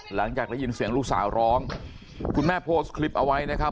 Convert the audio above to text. หลังจากได้ยินเสียงลูกสาวร้องคุณแม่โพสต์คลิปเอาไว้นะครับ